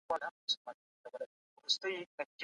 حضوري ټولګي به د ټولګي نظم په دوامداره توګه وساتي.